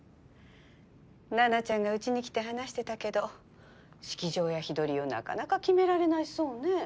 奈々ちゃんがうちに来て話してたけど式場や日取りをなかなか決められないそうね。